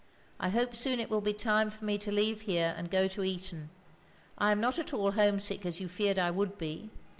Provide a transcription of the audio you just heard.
I hope soon it will he time for me to leeve here and go to Eton, I am not at all homsick as you jeered I would he.